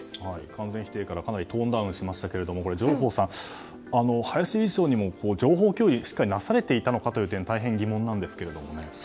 完全否定からかなりトーンダウンしましたが上法さん、林理事長にも情報共有がなされていたのかも大変、疑問なんですけども。